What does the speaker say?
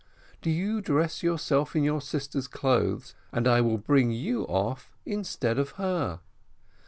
Do you dress yourself in your sister's clothes, and I will bring you off instead of her.